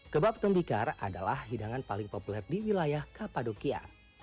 kebab tembikar adalah hidangan paling populer di wilayah kapadokia